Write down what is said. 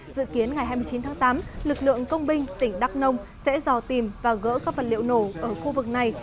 dự kiến ngày hai mươi chín tháng tám lực lượng công binh tỉnh đắk nông sẽ dò tìm và gỡ các vật liệu nổ ở khu vực này